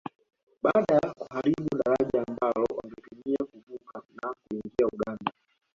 Baada ya kuharibu daraja ambalo wangetumia kuvuka na kuingia Uganda